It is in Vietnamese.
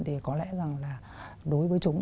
thì có lẽ đối với chúng